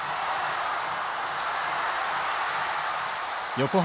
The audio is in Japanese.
横浜